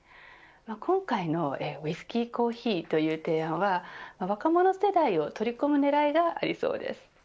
今回のウイスキーコーヒーという提案は若者世代を取り込む狙いがありそうです